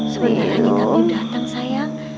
sebentar lagi kami datang sayang